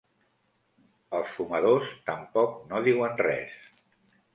Els fumadors tampoc no diuen res.